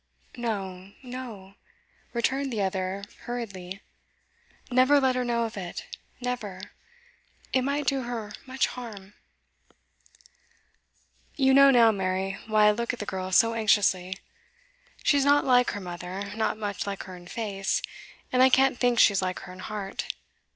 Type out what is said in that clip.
'No, no,' returned the other hurriedly. 'Never let her know of it never. It might do her much harm.' 'You know now, Mary, why I look at the girl so anxiously. She's not like her mother; not much like her in face, and I can't think she's like her in heart.